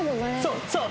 そうそう！